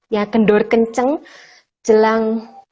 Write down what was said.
ya kendor kenceng jelang